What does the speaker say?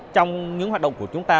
trong những hoạt động của chúng ta